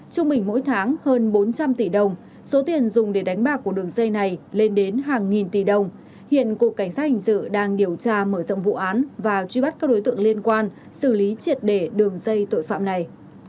trung bình mỗi tháng hơn bốn trăm linh tỷ đồng số tiền dùng để đánh bạc của đường dây này lên đến hàng nghìn tỷ đồng hiện cục cảnh sát hình sự đang điều tra mở rộng vụ án và truy bắt các đối tượng liên quan xử lý triệt để đường dây tội phạm này